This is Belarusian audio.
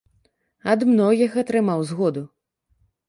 Ад многіх атрымаў згоду.